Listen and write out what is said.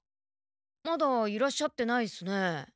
まだいらっしゃってないですね。